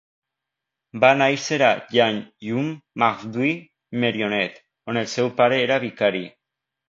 Va néixer a Llan-ym-Mawddwy, Merioneth, on el seu pare era vicari.